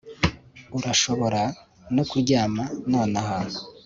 Urashobora no kuryama nonaha